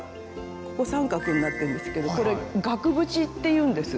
ここ三角になってるんですけどこれ額縁っていうんです。